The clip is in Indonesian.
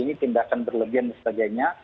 ini tindakan berlebihan dan sebagainya